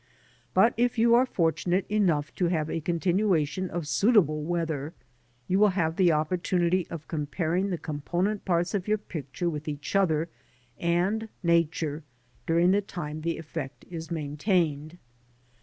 But if you are fortunate enough to have a continuation of suitable weather, you will have the opportunity of comparing the component parts of your picture with each other and Nature during the time the effect is maintained.